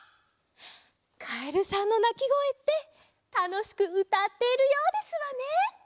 カエルさんのなきごえってたのしくうたっているようですわね。